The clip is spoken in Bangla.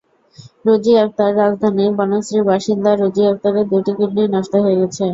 রোজী আক্তার রাজধানীর বনশ্রীর বাসিন্দা রোজী আক্তারের দুটি কিডনিই নষ্ট হয়ে গেছে।